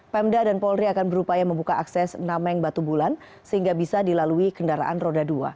pemda dan polri akan berupaya membuka akses nameng batu bulan sehingga bisa dilalui kendaraan roda dua